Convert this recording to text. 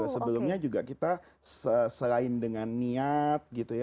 sebelumnya juga kita selain dengan niat